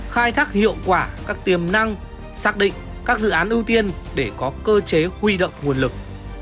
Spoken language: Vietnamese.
khai thác hiệu quả các tiềm năng xác định các dự án ưu tiên để có cơ chế huy động nguồn lực